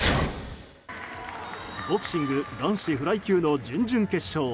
ボクシング男子フライ級の準々決勝。